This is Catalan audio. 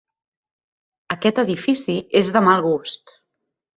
Aquest edifici és de mal gust.